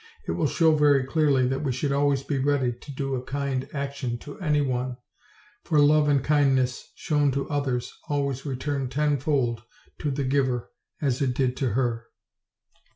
It will show very clearly that we should always be ready to do a kind ac tion to any one, for love and kindness shown to others always return tenfold to the giver, as it did to her.